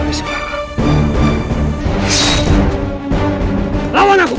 kau ters scalesancies dengan allah